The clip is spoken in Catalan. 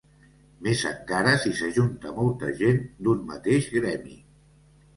Més encara si s'ajunta molta gent d'un mateix gremi.